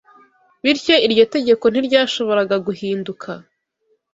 Bityo iryo tegeko ntiryashoboraga guhinduka